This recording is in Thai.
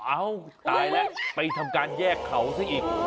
เอ้าตายแล้วไปทำการแยกเขาซะอีก